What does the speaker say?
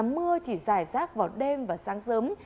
mưa chỉ dài rác vào đêm và sáng sớm